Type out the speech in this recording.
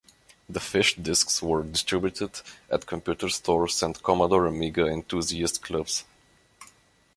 The Fish Disks were distributed at computer stores and Commodore Amiga enthusiast clubs.